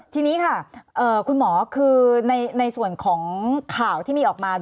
ทีนี้ค่ะคุณหมอคือในส่วนของข่าวที่มีออกมา